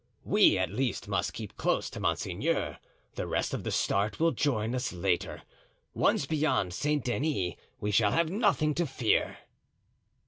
We, at least, must keep close to monseigneur; the rest of the start will rejoin us later. Once beyond Saint Denis we shall have nothing to fear."